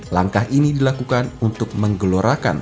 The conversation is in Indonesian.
langkah ini dilakukan untuk menggelorakan